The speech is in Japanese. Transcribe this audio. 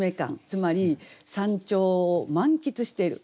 つまり山頂を満喫している。